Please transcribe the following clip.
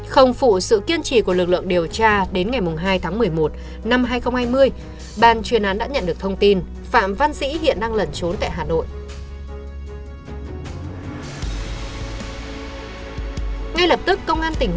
không phụ sự kiên trì của lực lượng điều tra đến ngày hai tháng một mươi một năm hai nghìn hai mươi ban chuyên án đã nhận được thông tin phạm văn sĩ hiện đang lẩn trốn tại hà nội